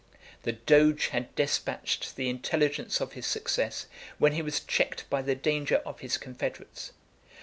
The doge had despatched the intelligence of his success, when he was checked by the danger of his confederates.